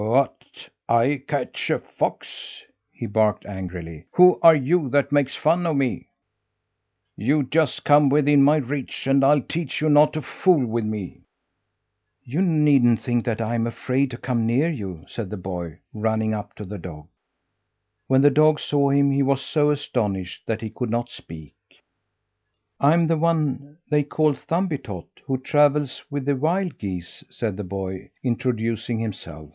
"What, I catch a fox?" he barked angrily. "Who are you that makes fun of me? You just come within my reach and I'll teach you not to fool with me!" "You needn't think that I'm afraid to come near you!" said the boy, running up to the dog. When the dog saw him he was so astonished that he could not speak. "I'm the one they call Thumbietot, who travels with the wild geese," said the boy, introducing himself.